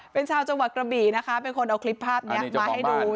เป็นชาวจังหวัดกระบี่นะคะเป็นคนเอาคลิปภาพนี้มาให้ดู